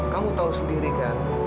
kamu tahu sendiri kan